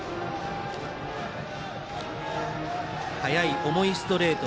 速い、重いストレート